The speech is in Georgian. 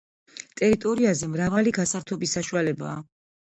ტერიტორიაზე მრავალი გასართობი საშუალებაა.